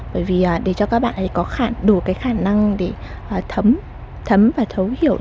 bởi vì để cho các bạn ấy có đủ khả năng để thấm và thấu hiểu được